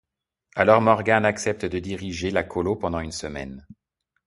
Alors Morgane accepte de diriger la colo pendant une semaine.